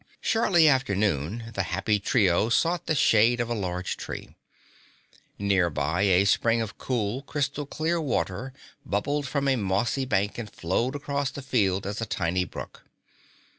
Shortly after noon the happy trio sought the shade of a large tree. Nearby, a spring of cool, crystal clear water bubbled from a mossy bank and flowed across the field as a tiny brook.